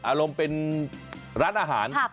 อารมณ์เป็นร้านอาหาร